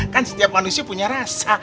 kan setiap manusia punya rasa